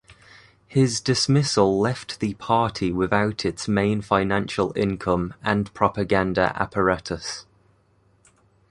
His dismissal left the party without its main financial income and propaganda apparatus.